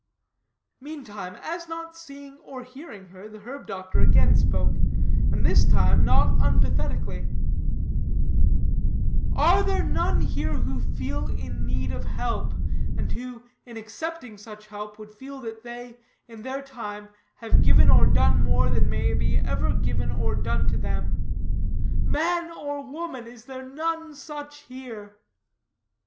Meantime, as not seeing or hearing her, the herb doctor again spoke, and this time not unpathetically: "Are there none here who feel in need of help, and who, in accepting such help, would feel that they, in their time, have given or done more than may ever be given or done to them? Man or woman, is there none such here?"